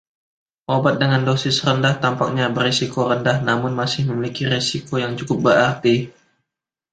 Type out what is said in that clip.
Obat dengan dosis rendah tampaknya berisiko rendah namun masih memiliki risiko yang cukup berarti.